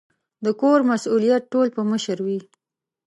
د کور مسؤلیت ټول په مشر وي